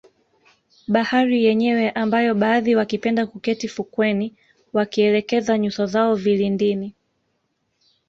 Bahari yenyewe ambayo baadhi wakipenda kuketi fukweni wakielekeza nyuso zao vilindini